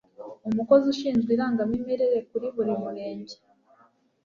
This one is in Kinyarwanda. umukozi ushinzwe irangamimerere kuri buri murenge